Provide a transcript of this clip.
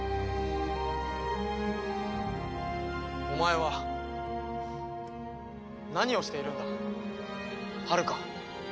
お前は何をしているんだはるか。